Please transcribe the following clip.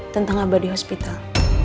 tentang abadi hospital